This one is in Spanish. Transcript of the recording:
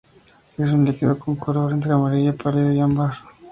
Es un líquido con un color entre amarillo pálido y ámbar.